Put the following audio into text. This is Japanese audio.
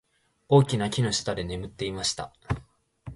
大きな木の下で眠っていました。